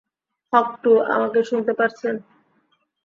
হক -টু, আমাকে শুনতে পারছেন?